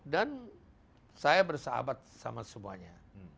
dan saya bersahabat sama semuanya